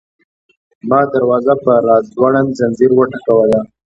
ما دروازه په راځوړند ځنځیر وټکوله.